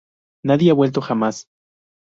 Nadie ha vuelto jamás.